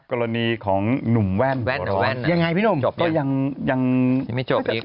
กรณีของหนุ่มแว่นหัวร้อนยังไงพี่หนุ่ม